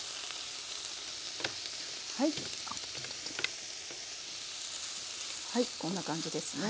はいこんな感じですね。